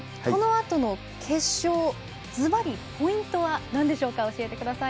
このあとの決勝ずばり、ポイントはなんでしょうか。